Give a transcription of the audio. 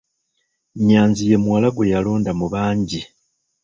Nnyanzi ye muwala gwe yalonda mu bangi.